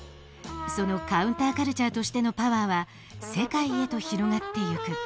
そのカウンターカルチャーとしてのパワーは世界へと広がってゆく。